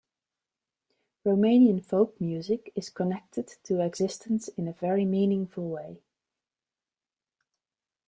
Romanian folk music is connected to existence in a very meaningful way.